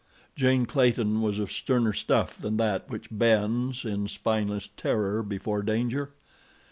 Jane Clayton was of sterner stuff than that which bends in spineless terror before danger.